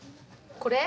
これ？